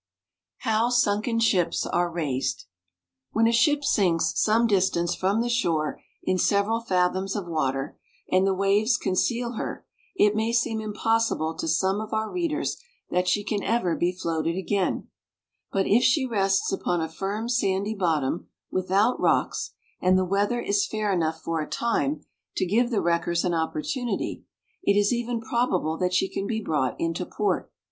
HOW SUNKEN SHIPS ARE RAISED. When a ship sinks some distance from the shore in several fathoms of water, and the waves conceal her, it may seem impossible to some of our readers that she can ever be floated again; but if she rests upon a firm sandy bottom, without rocks, and the weather is fair enough for a time to give the wreckers an opportunity, it is even probable that she can be brought into port.